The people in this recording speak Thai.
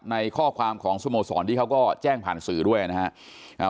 ในข้อความของสโมสรที่เขาก็แจ้งผ่านสื่อด้วยนะครับ